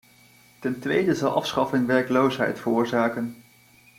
Ten tweede zal afschaffing werkloosheid veroorzaken.